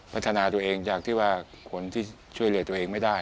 พัฒนาตัวเองจากที่ว่าคนที่ช่วยเหลือตัวเองไม่ได้